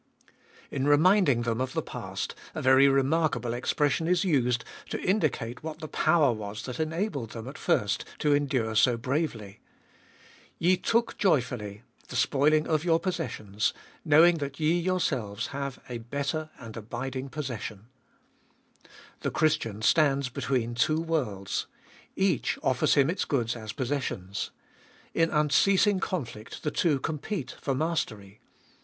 In reminding them of the past a very remarkable expression is used to indicate what the power was that enabled them at first to endure so bravely. Ye took joyfully the spoiling of your possessions, knowing that ye yourselves have a better and abiding possession. The Christian stands between two worlds ; each offers him its goods as possessions. In unceasing conflict the two compete for mastery.